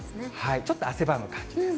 ちょっと汗ばむ感じです。